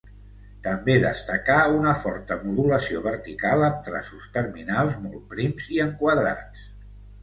També destacar una forta modulació vertical amb traços terminals molt prims i enquadrats.